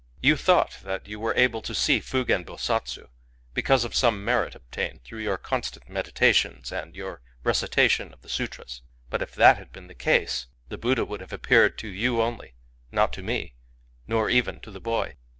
You thought that you were able to see Fugen Bosatsu because of some merit ob tained through your constant meditations and your recitation of the sutras. But if that had been the case, the Buddha would have appeared to you only — not to me, nor even to the boy.